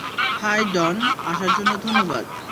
High, - Don, আসার জন্য ধন্যবাদ।